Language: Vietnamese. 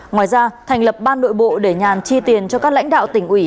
ngoài ra thành lập ban nội bộ để nhàn chi tiền cho các lãnh đạo tỉnh ủy